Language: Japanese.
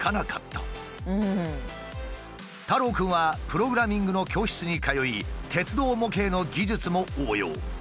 たろう君はプログラミングの教室に通い鉄道模型の技術も応用。